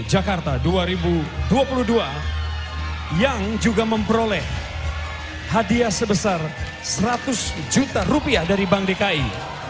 jakarta dua ribu dua puluh dua yang juga memperoleh hadiah sebesar seratus juta rupiah dari bank dki